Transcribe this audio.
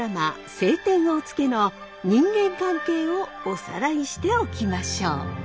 「青天を衝け」の人間関係をおさらいしておきましょう。